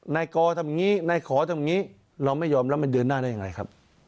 นายกอทำอย่างนี้นายขอทำอย่างนี้เราไม่ยอมแล้วมันเดินหน้าได้ยังไงครับ